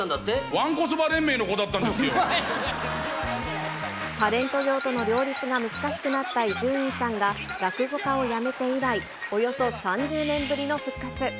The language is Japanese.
わんこそば連盟の子だったんタレント業との両立が難しくなった伊集院さんが、落語家をやめて以来、およそ３０年ぶりの復活。